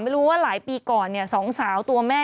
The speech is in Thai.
ไม่รู้ว่าหลายปีก่อนสองสาวตัวแม่